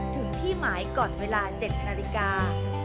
ถึงที่หมายก่อนเวลา๗นาฬิกา